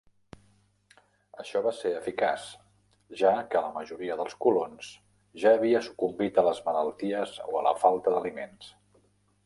Això va ser eficaç, ja que la majoria dels colons ja havia sucumbit a les malalties o a la falta d"aliments.